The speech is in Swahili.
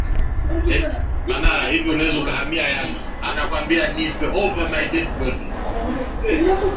Mombasa ni kule mbali.